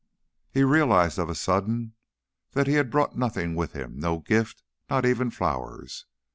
He realized of a sudden that he had brought nothing with him; no gift, not even flowers.